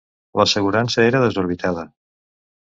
L'assegurança era desorbitada.